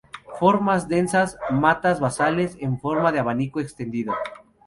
Forma densas matas basales en forma de abanico extendido.